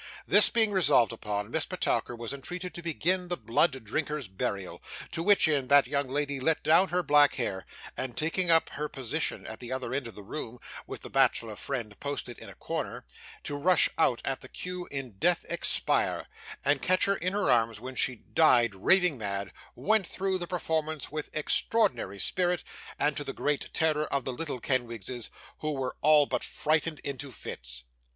This being resolved upon, Miss Petowker was entreated to begin the Blood Drinker's Burial; to which end, that young lady let down her back hair, and taking up her position at the other end of the room, with the bachelor friend posted in a corner, to rush out at the cue 'in death expire,' and catch her in his arms when she died raving mad, went through the performance with extraordinary spirit, and to the great terror of the little Kenwigses, who were all but frightened into fits.